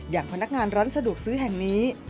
อย่างพนักงานร้านสะดวกซื้อแห่งนี้